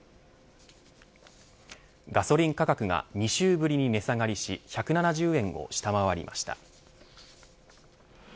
ガソリン価格が２週ぶりに値下がりし１７０円を下回りました。